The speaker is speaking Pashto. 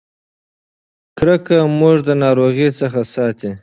کرکه موږ د ناروغۍ څخه ساتي.